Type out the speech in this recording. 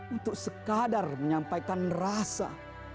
untuk sekadar menyampaikan rasa